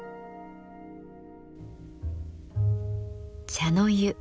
茶の湯。